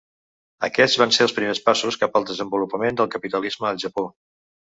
Aquests van ser els primers passos cap al desenvolupament del capitalisme al Japó.